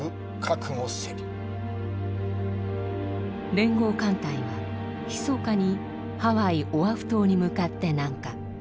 連合艦隊はひそかにハワイオアフ島に向かって南下。